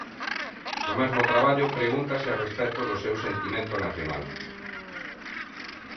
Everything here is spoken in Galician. No mesmo traballo, pregúntase a respecto do seu sentimento nacional.